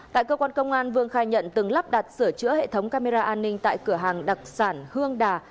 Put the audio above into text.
tại cơ quan công an vương khai nhận từng lắp đặt sửa chữa hệ thống camera an ninh tại cửa hàng đặc sản hương đà